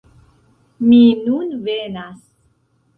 Mi nun venas!